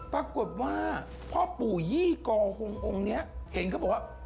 ปรากฏว่าพ่อปู่ยี่กอฮงองค์นี้เห็นเขาบอกว่า